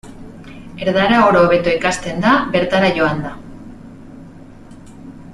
Erdara oro hobeto ikasten da bertara joanda.